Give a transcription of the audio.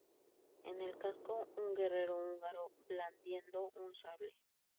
En el casco un guerrero húngaro blandiendo un sable.